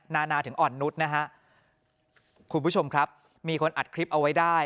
นานาถึงอ่อนนุษย์นะฮะคุณผู้ชมครับมีคนอัดคลิปเอาไว้ได้